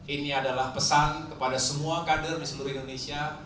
ini adalah pesan kepada semua kader di seluruh indonesia